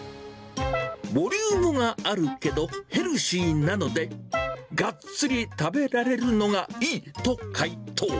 ボリュームがあるけど、ヘルシーなので、がっつり食べられるのがいいと回答。